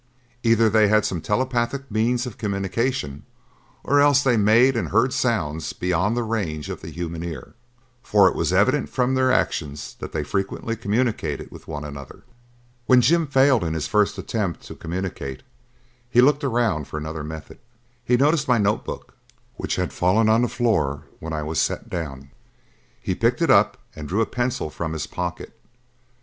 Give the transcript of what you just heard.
Either they had some telepathic means of communication or else they made and heard sounds beyond the range of the human ear, for it was evident from their actions that they frequently communicated with one another. When Jim failed in his first attempt to communicate he looked around for another method. He noticed my notebook, which had fallen on the floor when I was set down; he picked it up and drew a pencil from his pocket.